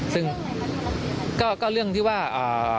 ซึ่งก็เรื่องที่ว่า